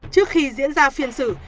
trước khi diễn ra phiền xử